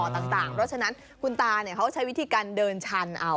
เพราะฉะนั้นคุณตาเขาใช้วิธีการเดินชันเอา